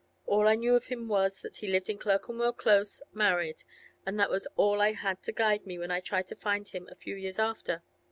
All I knew of him was, that he lived in Clerkenwell Close, married; and that was all I had to guide me when I tried to find him a few years after.